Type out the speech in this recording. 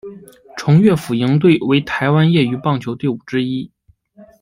崇越隼鹰队为台湾业余棒球队伍之一。